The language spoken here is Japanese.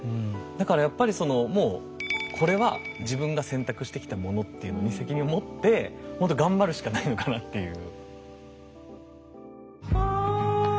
だからやっぱりそのもうこれは自分が選択してきたものっていうのに責任を持って頑張るしかないのかなっていう。